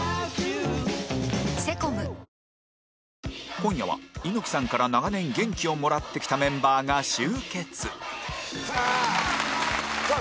今夜は猪木さんから長年元気をもらってきたメンバーが集結さあ